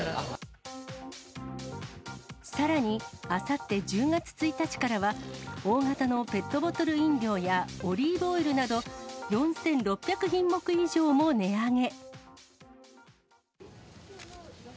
さらに、あさって１０月１日からは、大型のペットボトル飲料やオリーブオイルなど、４６００品目以上も値上げ。